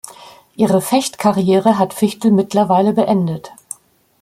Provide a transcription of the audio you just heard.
Ihre Fecht-Karriere hat Fichtel mittlerweile beendet.